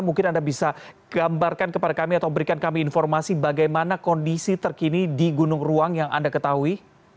mungkin anda bisa gambarkan kepada kami atau berikan kami informasi bagaimana kondisi terkini di gunung ruang yang anda ketahui